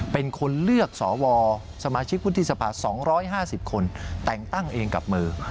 เป็นคนเลือกสวสมาชิกวุฒิสภา๒๕๐คนแต่งตั้งเองกับมือ